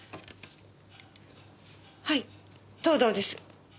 はい藤堂です。